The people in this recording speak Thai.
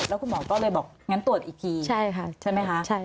แล้วคุณหมอก็เลยบอกงั้นตรวจอีกทีใช่ไหมคะ